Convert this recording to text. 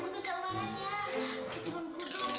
gua nunggak marahnya